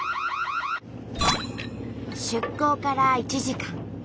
出港から１時間。